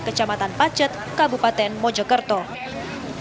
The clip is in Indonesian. kedua truk tangki air terjadi di jalan raya pacet desa keseluruhan